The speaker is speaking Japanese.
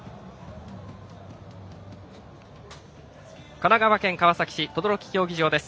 神奈川県川崎市等々力競技場です。